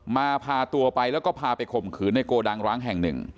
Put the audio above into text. พาตัวไปแล้วก็พาไปข่มขืนในโกดังร้างแห่งหนึ่ง